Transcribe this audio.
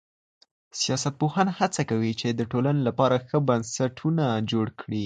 سياستپوهنه هڅه کوي چي د ټولني لپاره ښه بنسټونه جوړ کړي.